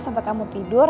sampai kamu tidur